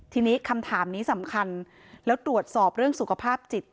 ทีนี้คำถามนี้สำคัญแล้วตรวจสอบเรื่องสุขภาพจิต